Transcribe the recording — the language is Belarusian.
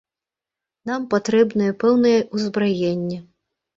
Нам патрэбныя пэўныя ўзбраенні.